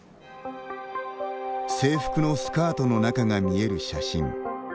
制服のスカートの中が見える写真。